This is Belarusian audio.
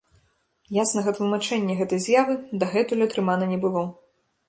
Яснага тлумачэння гэтай з'явы дагэтуль атрымана не было.